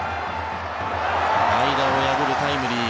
間を破るタイムリー。